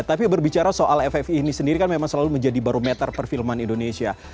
tapi berbicara soal ffi ini sendiri kan memang selalu menjadi barometer perfilman indonesia